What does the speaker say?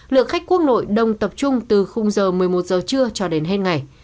lượng khách quốc nội đông tập trung từ khung giờ một mươi một h trưa cho đến hết ngày